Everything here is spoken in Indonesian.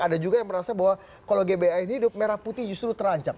ada juga yang merasa bahwa kalau gbhn hidup merah putih justru terancam